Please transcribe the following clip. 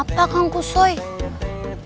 padahal kan kang kusoy ganteng